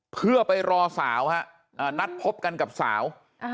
เพื่อไปรอสาวฮะนัดพบกันกับสาว